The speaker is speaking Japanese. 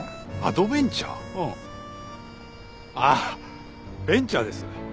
うん。ああベンチャーです。